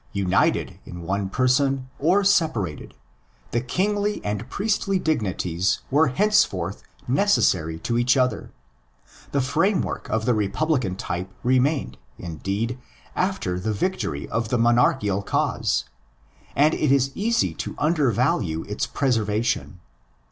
United in one person or separated, the kingly and priestly dignities were henceforth necessary to each other. The framework of the republican type remained, indeed, after the victory of the monarchical cause; and it is easy to undervalue its preservation.